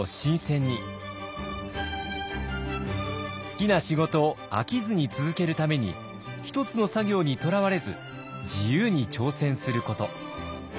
好きな仕事を飽きずに続けるために１つの作業にとらわれず自由に挑戦すること。